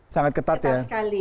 sangat ketat ya